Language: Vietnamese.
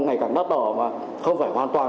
ngày càng đắt đỏ mà không phải hoàn toàn